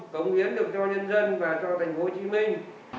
cống hiến được cho nhân dân và cho thành phố hồ chí minh